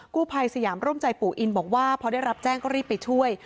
กู้ภัยสยามร่มใจปู่อินบอกว่าพอได้รับแจ้งก็รีบไปช่วย